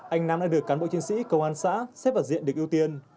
anh nam đã được cán bộ chiến sĩ công an xã xếp vào diện được ưu tiên